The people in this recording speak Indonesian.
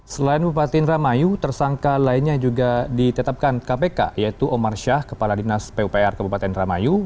selain bupati indra mayu tersangka lainnya juga ditetapkan kpk yaitu omar syah kepala dinas pupr kabupaten indra mayu